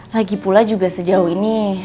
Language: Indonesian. lagipula juga sejauh ini